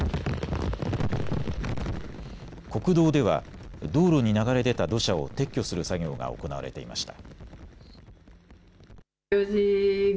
国道では道路に流れ出た土砂を撤去する作業が行われていました。